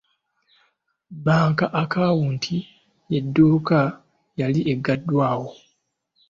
Banka akawunti y'edduuka yali eggaddwawo.